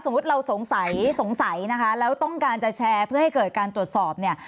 เราสงสัยสงสัยนะคะแล้วต้องการจะแชร์เพื่อให้เกิดการตรวจสอบเนี่ย